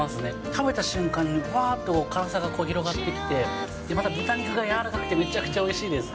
食べた瞬間に、ふわーっと辛さが広がってきて、また豚肉が柔らかくて、めちゃくちゃおいしいです。